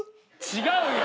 違うよ。